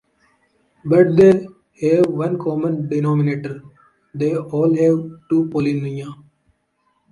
But they have one common denominator: they all have two pollinia.